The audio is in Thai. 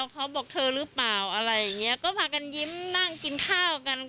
ก็ขายากันยิ้มนั่งกินข้าวกัน